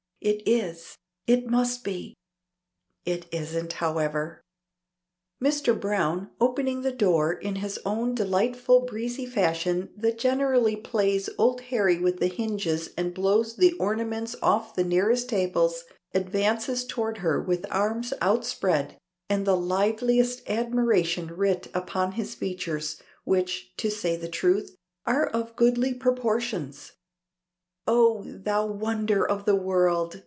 It is it must be It isn't, however. Mr. Browne, opening the door in his own delightfully breezy fashion that generally plays old Harry with the hinges and blows the ornaments off the nearest tables, advances towards her with arms outspread, and the liveliest admiration writ upon his features, which, to say the truth, are of goodly proportions. "Oh! Thou wonder of the world!"